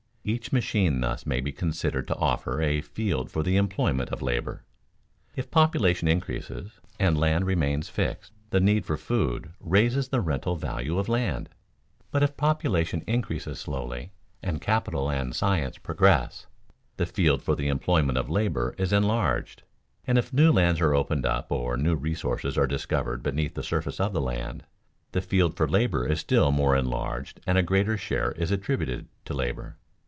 Each machine thus may be considered to offer a field for the employment of labor. If population increases and land remains fixed, the need for food raises the rental value of land. But if population increases slowly, and capital and science progress, the field for the employment of labor is enlarged; and if new lands are opened up or new resources are discovered beneath the surface of the land, the field for labor is still more enlarged and a greater share is attributed to labor.